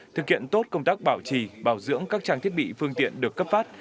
thực hiện tốt công tác bảo trì bảo dưỡng các trang thiết bị phương tiện được cấp phát